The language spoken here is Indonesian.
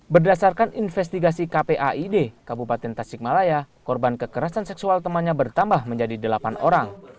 berdasarkan investigasi kpaid kabupaten tasikmalaya korban kekerasan seksual temannya bertambah menjadi delapan orang